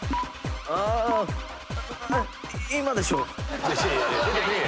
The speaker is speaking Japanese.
今でしょ！